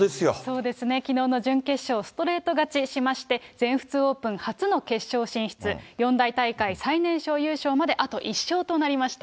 そうですね、きのうの準決勝、ストレート勝ちしまして、全仏オープン初の決勝進出、四大大会、最年少優勝まであと１勝となりました。